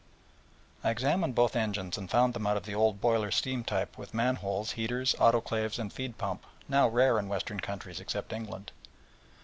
I examined both engines, and found them of the old boiler steam type with manholes, heaters, autoclaves, feed pump, &c., now rare in western countries, except England.